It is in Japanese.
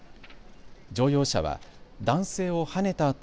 乗用車は男性をはねた